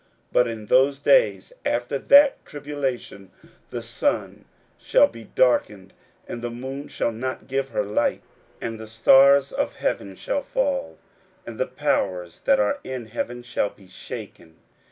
41:013:024 But in those days, after that tribulation, the sun shall be darkened, and the moon shall not give her light, 41:013:025 And the stars of heaven shall fall, and the powers that are in heaven shall be shaken.